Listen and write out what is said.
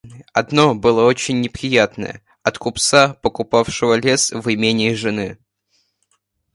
Одно было очень неприятное — от купца, покупавшего лес в имении жены.